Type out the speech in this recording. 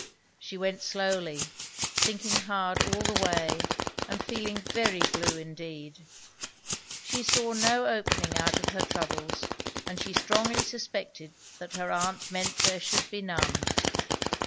She went slowly, thinking hard all the way, and feeling very blue indeed. She saw no opening out of her troubles, and she strongly suspected that her aunt meant there should be none.